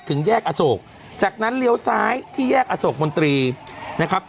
ถึงแยกอโศกจากนั้นเลี้ยวซ้ายที่แยกอโศกมนตรีนะครับ